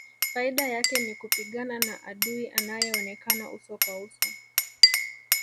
Faida yake ni kupigana na adui anayeonekana uso kwa uso